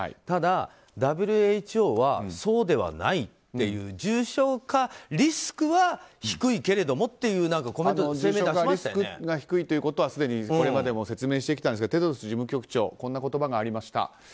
ただ、ＷＨＯはそうではないっていう重症化リスクは低いけれどもというリスクが低いというのはすでにこれまでも説明してきたんですがテドロス事務局長こんな言葉がありました。